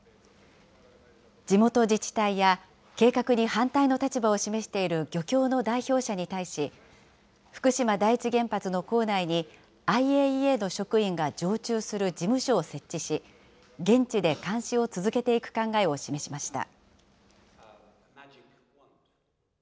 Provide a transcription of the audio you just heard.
地元自治体や計画に反対の立場を示している漁協の代表者に対し、福島第一原発の構内に、ＩＡＥＡの職員が常駐する事務所を設置し、現地で監視を続けていく考えを示しました。